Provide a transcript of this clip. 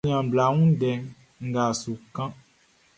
Aniaan bla, n wun ndɛ nga a su kanʼn.